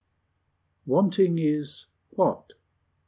s.'" WANTING IS WHAT?